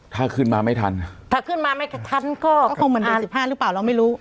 ถ้าขึ้นมาไม่ทันถ้าขึ้นมาไม่กระชั้นก็คงเหมือนเดือนสิบห้าหรือเปล่าเราไม่รู้